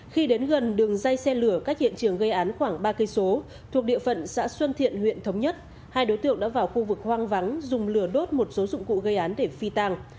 khi đến gần đường dây xe lửa cách hiện trường gây án khoảng ba km thuộc địa phận xã xuân thiện huyện thống nhất hai đối tượng đã vào khu vực hoang vắng dùng lửa đốt một số dụng cụ gây án để phi tàng